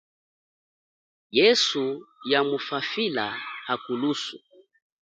Yesu yamuphaphila, hakulusu.